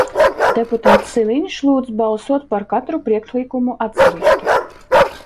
Deputāts Siliņš lūdz balsot par katru priekšlikumu atsevišķi.